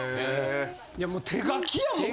いやもう手書きやもん！